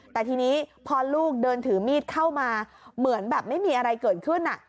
แต่ทีนี้พอลูกเดินถือมีดเข้ามาเหมือนแบบไม่มีอะไรเกิดขึ้น